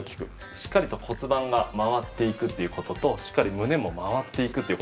しっかりと骨盤が回っていくっていう事としっかり胸も回っていくっていう事ですね。